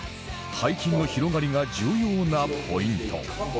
背筋の広がりが重要なポイント